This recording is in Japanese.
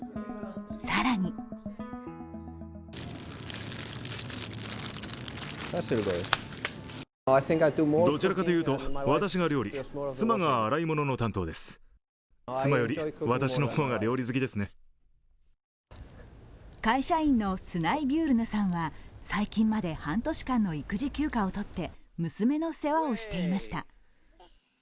更に会社員のスナイビュールヌさんは最近まで半年間の育児休暇を取って娘の世話をしていました。